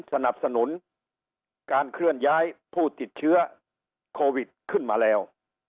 สนับสนุนการเคลื่อนย้ายผู้ติดเชื้อโควิดขึ้นมาแล้ว